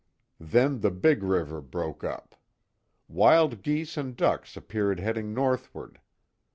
Then, the big river broke up. Wild geese and ducks appeared heading northward.